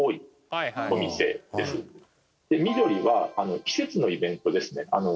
で緑は季節のイベントですね。